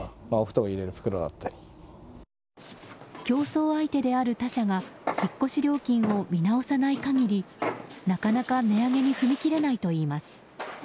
競争相手である他社が引っ越し料金を見直さない限り、なかなか値上げに踏み切れないといいます。